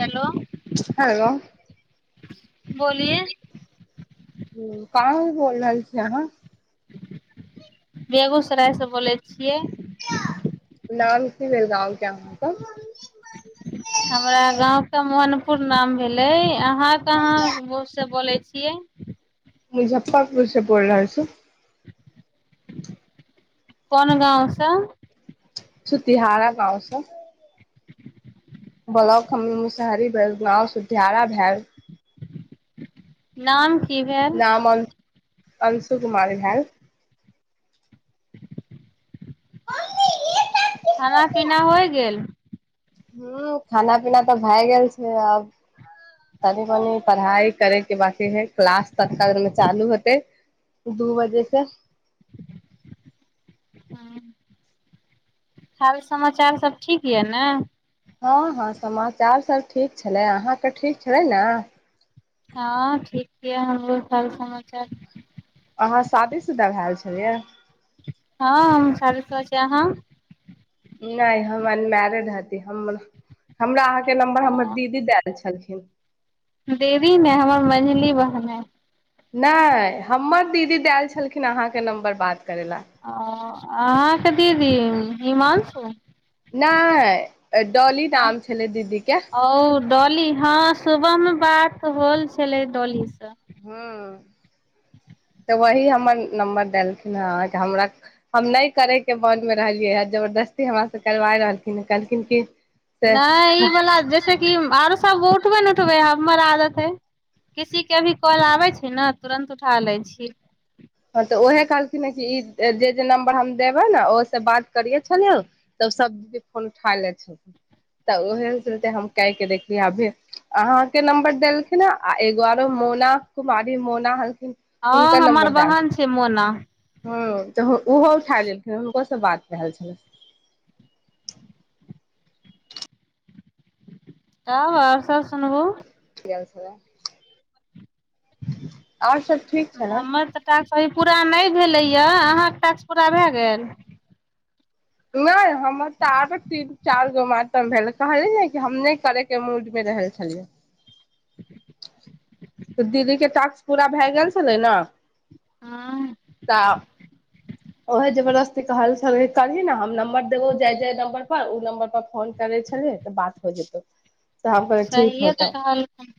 hello hello बोलियै उ कहाँ बोल रहल छी अहाँ बेगूसराय सँ बोलै छियै नाम की भेले गाव के आहाँ क हमरा गाँव के मोहनपुर नाम भेलै हं कहाँ से बोले छी छियै मुजफ्फरपुर से बोल रहल छी कोन गाँव सँ छुतिहारा गाँव सँ ब्लॉक मुसहरी भेल गाँव सुध्यारा भेल नाम की भेल नाम अंक अंशु कुमारी भैल खाना पीना होइ गेल ह खाना पीना तऽ भए गेल छै अब तनी मनि पढ़ाई करैके बकी है क्लास ततकालिनमे चालू हते दू बजे से हाल समाचार सब ठीक यऽ ने हँ हँ समाचारसभ ठीक छलै अहाँके ठीक छलै ने हँ ठीक य हमरो हाल समाचार अहाँ शादीशुदा भेल छलियै हँ हम शादी शूदा छियै आहाँ नहि हम अनमरिड हती हमरा अहाँ के नम्बर हमर दीदी देल छलै [inaudible] देवि मे हमर मझली बहन नहि हमर दीदी देल छलखिन अहाँके नम्बर बात करै लए ओ आ [unintelligible] [inaudible] नहि डोली नाम छलै दीदीे डली हँ सुबहमे बात होल छलै डली हू तऽ वही हमर नम्बर देलखिन हे हमरा हम नहि करेके मनमे रहलियै ह जबरदस्ती हमर से करबा रहलखिन ह कहलखिन कि से नहि ई बला जैसेक आरो सबहु उबे न उठबै हमर आदते हैय किसी के अभी कल आबे छै ने तुरंत उठा लै छी हँ तऽ उहे कहलखिन हे ई जे जे नम्बर हम देबे ने ओहिसँ बात करिये छलिय तब सब फोन उठा ले छल तऽ उहे चलते हम क के देखलिय अभी अहाँके नम्बर देलखिन हे आ एगो आरो मोना कुमारी मोना हँ हुनकर हमर नम्बर दैल बहन छै से मोना हँ तऽ ओहो उठा लेलखिन हुनको से बात रहल छल तव आओर सब सुनबो [unintelligible] आओर सभ ठीक छै हमर तऽ टास्क अभी पूरा नहि भेलैया अहाँके टास्क पूरा भए गेल नहि हमर तऽ आब तीन चारि गो मातम भेल कहलिय ने कि हम नहि करयके मूडमे रह छलियै तऽ दीदी के टास्क पूरा भए गेल छलै ने हँ तऽ ओहे जबरदस्ती कहल छल करलही ने हम नम्बर देबौ जाहि जाय नम्बर पर ओ नम्बर पर फोन करै छलियै तऽ बात हो जेतौ तब किर ठीक सहिए तऽ होतै कहलखिन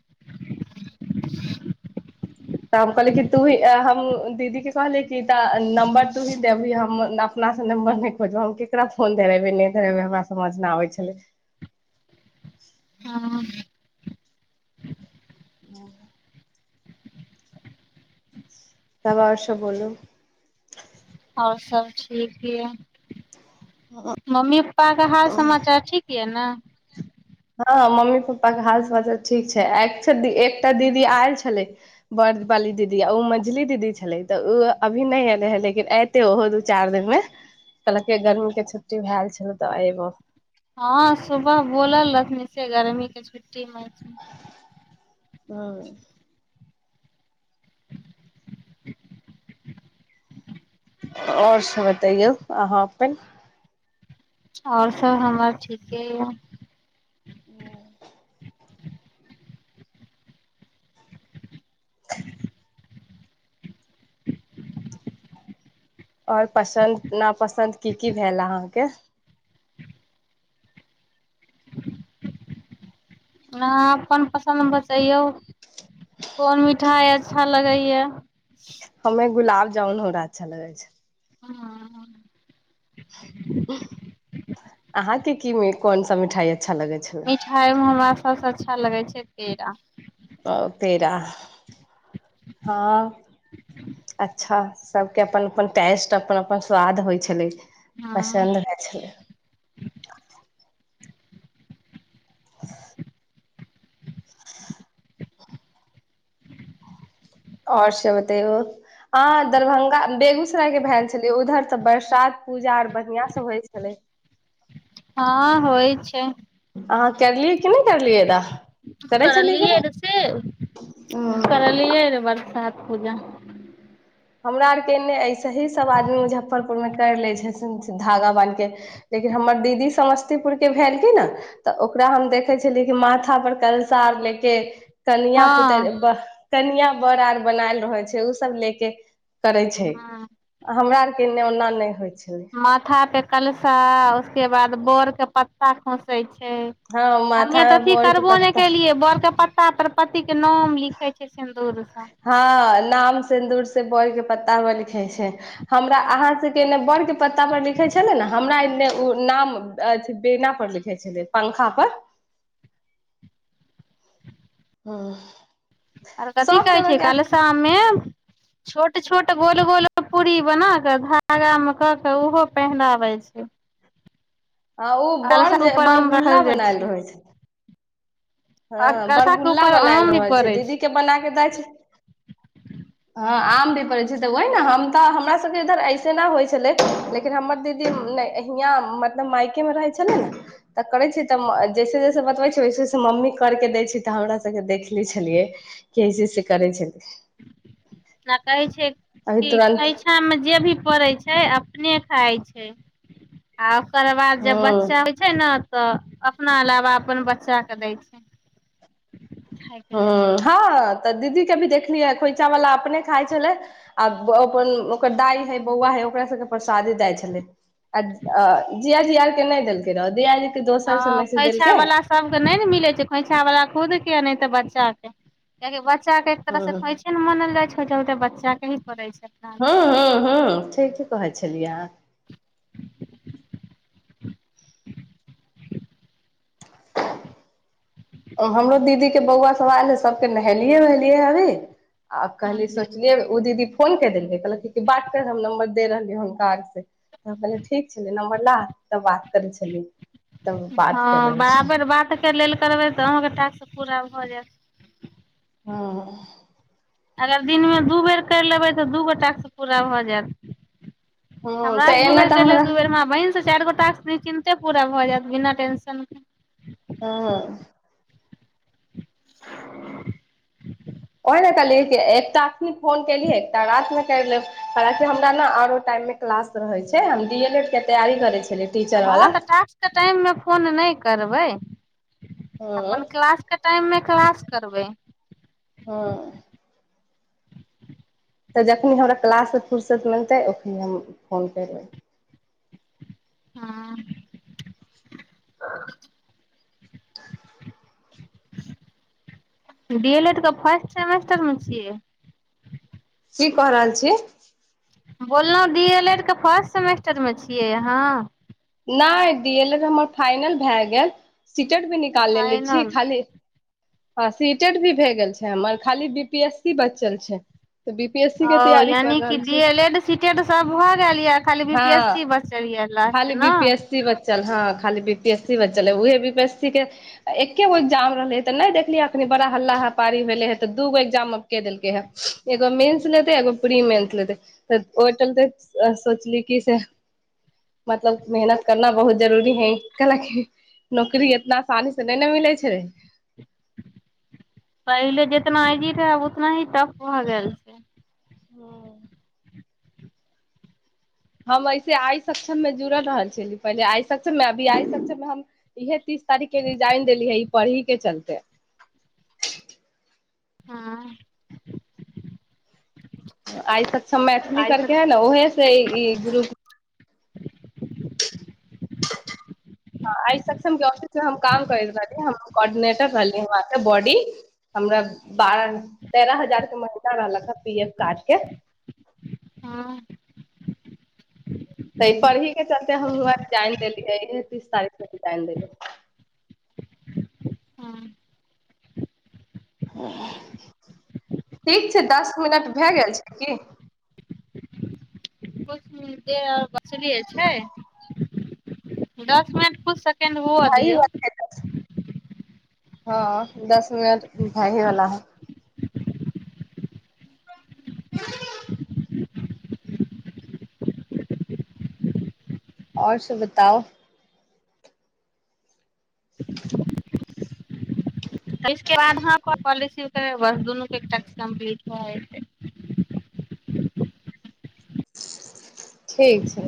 तऽ हम कहलिय कि तूही हम दीदी के कहलिय कि तऽ नम्बर तोही देबही हम अपनासँ नम्बर नहि खोजब हम केकरा फोन धरेबे नहि धरेबे हमरा समझ नहि आबै छलै [unintelligible] [inaudible] तबा आओर सब बोलू आओर सब ठीक यऽ मम्मी पप्पा का हाल समाचार ठीक य ने हँ मम्मी पप्पा के हालस हाल ठीक छै एकटा दीदी आयल छलै बड़ बाली दीदी आ ओ मझली दीदी छलै तऽ ओ अभी नहि एले हे लेकिन एऐते ओहो दू चारि दिन मे कहलक गर्मी के छुट्टी भए छल तऽ एबो हँ सुबह बोलल रहथिन से गर्मी के छुट्टीमे हँ आओर सब बतैयौ अहाँ अपन आओर सभ हमर ठीके यए [inaudible] आओर पसन्द नापसन्द की की भेल अहाँके आहाँ अपन पसन्द बतैयौ कोन मिठाइ अच्छा लगैए हमे गुलाब जाउन होरा अच्छा लगै छै हँ अहाँके की मे कोन सा मिठाई ऐ मिठाइ मे हमरा सब अच्छा लगै छै केरा ओ पेड़ा हँ अच्छा सबके अपन अपन टेस्ट अपन अपन स्वाद होइ छलै हँ पसन्द होइ छलै आओर से बतैयो हाँ दरभंगा बेगूसरायके भेल छलियै उधर तऽ बरसात पूजा आर बढ़िआँ सँ होइ छलै हँ होइ छै अह करलियै कि नहि करलियै रहै करै छलिए कि करलियै रे से नइ पुजा हमरा आरके एन्ने ऐसे ही सभ आदमी मुजफ्फरपुर मे करि ले छथिन धागा बान्हिके के लेकिन हमर दीदी समस्तीपुर के भेलखिन न तऽ ओकरा हम देखै छलिय कि माथा पर कलशा आर लेके कनआ पुतर हँ ब कनिया बड़ आर बनायल रहै छै उऽ सब ले के करै छै हँ हमरा आरके किने ओना नहि होइ छलै माथा पे कलशा उसके बाद बर के पत्ता खोसे छै हँ हमे माथा तऽ मे अथी बर के करबो नहि पत्ता केलियै बरके पत्ता पर के नाम लिखै छै सिन्दूर सँ हँ नाम सिन्दूर से बर के पत्ता पर लिखै छै हमरा अहाँ से के एने बर के पत्ता पर लिखे छलै न हमरा एने उ नाम अथि बेना पर लिखे छलै पंखा पर [unintelligible] आर कथी सब कहै जगह छै के कालशामे छोट छोट गोल गोल पूरी बना कऽ धागामे कऽ कऽ ओहो पहिनाबै छै ह ओ बड़ कलशाके जे ऊपर आम बड़गुल्ला रखल जाइ बनायल रहै छै आ हँ कलशाके बड़गुल्ला ऊपर बनाल आम भी रह छै पड़ै दीदी के बना के दै छै हँ आम भी पड़ै छै तऽ ओहि नऽ हम तऽ हमरा सबके इधर ऐसे ना होइ छलै लेकिन हमर दीदी नय हियाँ मतलब मायके मे रहै छलियै न तऽ करै छियै तऽ जैसे जैसे बतबै छै वैसे वैसे मम्मी कर के दै छी तऽ हमरा सबके देखलै छलियै की ऐसे ऐसे करै छै [unintelligible] आ कहे छै कि तुरन्त खैइछा मे जे भी पड़ै छै छै अपने खाइ छै आ तकर बाद जब बच्चा हँ होइ छै ने तऽ अपना अलावा अपन बच्चाके दै छै ह खायके लेल हँ तऽ दीदी के भी देखलियै खोंइछा वाला अपने खाइ छले आ अपन ओकर दाई हे बौआ हे ओकरा सबके परसादी दाय छले आ जिया जी आर के नहि देलके रह जिया जी के दोसर से हँ मैसेज देलकै खोइछावला सभके नइ नऽ मिलै छै खोइछावला खुद कियो नहि तऽ बच्चा के कियाकी बच्चा बच्चा के एक तरह से हँ खोइछे न मानल जाइ छै छोटा छोटा बच्चा के ही पड़ै छै अपना हँ अलावा हँ हँ ठीक कहै छलियै अहाँ हमरो दीदी बौआ सब आयल रहै सबके नहेलियए वहेलिये अभी आब कहली सोचलियै उ दीदी फोन क देलकै कहलक बात कर हम नम्बर दे रहलियै हुनका आरसँ तऽ हम कहलियै ठीक छलै नम्बर ला तब बात करै छलियै तब बात कर हँ रहल छै बराबर बात कर लेल करबै तऽ आहोंके टास्क पूरा भऽ जायत हँ अगर दिनमे दू बेर करि लेबै तऽ दू गो टास्क पूरा भऽ जायत हँ तऽ हमरासे दू एना बेर तऽ करि लेब दू बेर हमरा बहिन से चारि गो टास्क बिन चिन्ते पूरा भऽ जायत बिना टेंशन के हँ [unintelligible] ओह ने कहलियै एकटा अखनी फोन केलियै एकटा रात मे कर लेब कि हमरा ने आरो टाइम मे क्लास रहै छै हम डी एल एड के तैयारी करै छी हँ तऽ टास्कके टाइममे फोन नहि करबै हँ अपन क्लासके टाइममे क्लास करबै हँ तऽ जखनि हमरा क्लाससँ फुुरसत मिलतै ओखनि हम फोन करिलेबै हँ [unintelligible] डी एल एड के फर्स्ट सेमेस्टरमे छियै की कऽ रहल छी बोललौं डी एल एड के फर्स्ट सेमेस्टरमे छियै अहाँ नहि डी एल एड हमर फाइनल भए गेल टेट भी निकाल लेने छी फाइनल खाली हँ सीटेट भी भऽ गेल छै हमर खाली बी पी एस सी बचल छै बी पी एस सी के ओ तैयारी कर यानि कि रहल डी छी एल एड सीटेड सब भऽ गेल यै खाली बी पी एस हँ सी बचल यै खाली बी पी एस सी बचल हँ खाली बी पी एस सी बचल है उहे बी पी एस सी के एकेगो एग्जाम रहलै तऽ नहि देखलियै एखनी बड़ा हल्ला हपारी भेलै ह तऽ दूगो एग्जामब के देलकै हे एगो मेन्स लेतै एगो प्री मेन्स लेतै तऽ ओहि चलते सोचली की से मतलब मेहनत करना बहुत जरूरी है कल नौकरी इतना आसानी से नहि ने मिलै छै पहिले जितना ईजी रहै उतना ही टफ भऽ गेल छै हँ हम ऐसे आइ सक्षम मे जुड़ल रहल छल पहिले आइ सक्षम मे अभी आ सक्षम मे हम इहे तीस तारीख के रिजाइन देली है ई पढ़ी के चलते हँ आइ सक्षम मैथिली आइ करके सब हइ ने ओहेसँ ई ग्रुप ह आइ सक्षम ऑफिस मे हम काम करैत रहली कोर्डिनेटर रहली वाँ के बॉडी हमरा बारह तेरह हजार के महिला रहलक ह पी एफ कार्ड के हँ त ई पढ़ी के चलते हम जइन देलियै तीस तारीख त रीजाइन देली हन हँ ठीक छै दस मिनट भए गेल छै की बसलिय छै दस मिनट पुछ भई होते दस सेकेंड हँ दस मिनट भही वला हए आओर सब बताउ क तेईस के बाद हम पॉलिसी करेबै बस दुनू के टच कम्पलीट हो जाइ छै ठीक छै